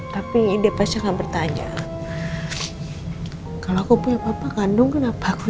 tapi dia pasti akan bertanya kalau aku punya papa kandung kenapa aku ditaruh di rumah